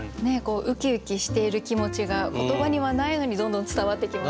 うきうきしている気持ちが言葉にはないのにどんどん伝わってきますよね。